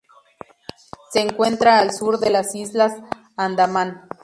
Se encuentra al sur de las Islas Andamán.